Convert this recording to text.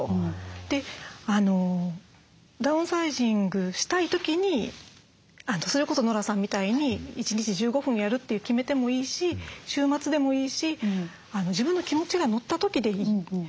でダウンサイジングしたい時にそれこそノラさんみたいに一日１５分やるって決めてもいいし週末でもいいし自分の気持ちが乗った時でいい。